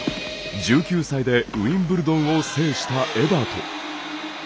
１９歳でウィンブルドンを制したエバート。